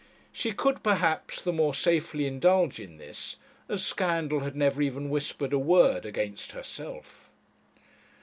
She could, perhaps, the more safely indulge in this, as scandal had never even whispered a word against herself.